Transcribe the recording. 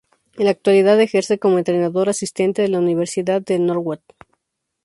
En la actualidad ejerce como entrenador asistente de la Universidad de Northwood.